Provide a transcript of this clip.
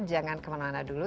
jangan kemana mana dulu